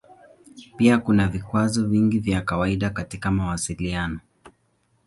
Pia kuna vikwazo vingi vya kawaida katika mawasiliano.